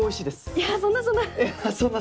いやそんなそんな。